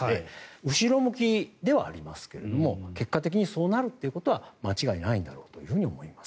後ろ向きではありますけども結果的にそうなるということは間違いないんだろうと思います。